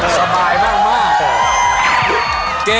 สบายมาก